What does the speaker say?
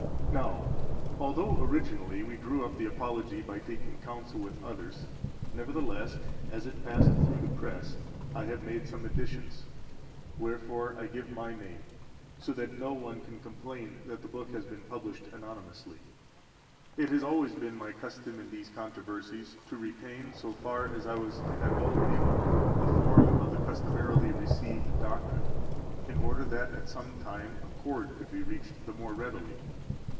10 Now, although originally we drew up the Apology by taking counsel with others, nevertheless, as it passed through the press, I have made some additions. Wherefore I give my name, so that no one can complain that the book has been published anonymously. 11 It has always been my custom in these controversies to retain, so far as I was at all able, the form of the customarily received doctrine, in order that at some time concord could be reached the more readily.